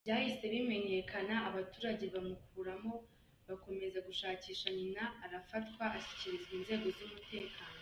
Byahise bimenyekana abaturage bamukuramo, bakomeza gushakisha nyina, arafatwa ashyikirizwa inzego z’umutekano.